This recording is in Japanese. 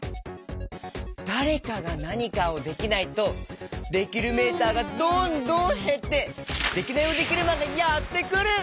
だれかがなにかをできないとできるメーターがどんどんへってデキナイヲデキルマンがやってくる！